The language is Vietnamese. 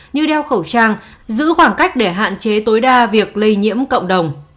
như đeo khẩu trang giữ khoảng cách để hạn chế tối đa việc lây nhiễm cộng đồng